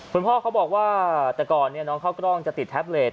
คุณพ่อเขาบอกว่าแต่ก่อนน้องเข้ากล้องจะติดแท็บเล็